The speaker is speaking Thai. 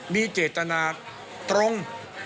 มีเจตนาตรง